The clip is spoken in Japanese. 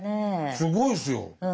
すごいですよ。